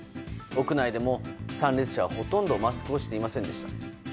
屋内でも参列者はほとんどマスクをしていませんでした。